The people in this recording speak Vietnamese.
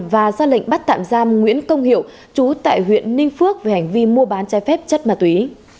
và ra lệnh bắt tạm giam nguyễn công hiệu chú tại huyện ninh phước về hành vi mua bán trái phép chất ma túy